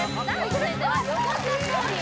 続いては「横須賀ストーリー」